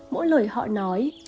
mỗi lời họ nói